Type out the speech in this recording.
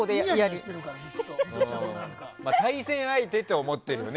対戦相手と思ってるよね